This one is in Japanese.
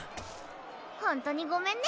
ほんとにごめんね。